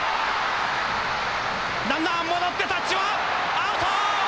ランナー戻ってタッチはアウト！